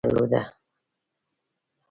یو غیر نظامي طالب مې ولید او خواخوږي یې درلوده.